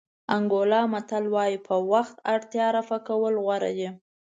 انګولا متل وایي په وخت اړتیا رفع کول غوره دي.